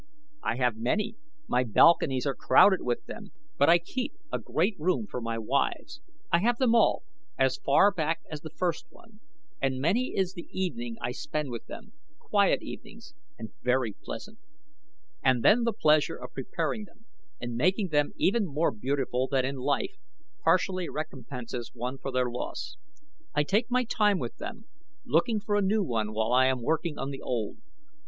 "I have many, my balconies are crowded with them; but I keep a great room for my wives. I have them all, as far back as the first one, and many is the evening I spend with them quiet evenings and very pleasant. And then the pleasure of preparing them and making them even more beautiful than in life partially recompenses one for their loss. I take my time with them, looking for a new one while I am working on the old.